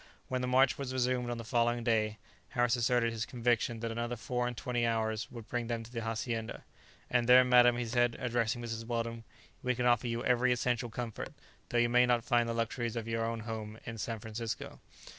When the march was resumed on the following day, Harris asserted his conviction that another four and twenty hours would bring them to the hacienda. "And there, madam," he said, addressing Mrs. Weldon, "we can offer you every essential comfort, though you may not find the luxuries of your own home in San Francisco."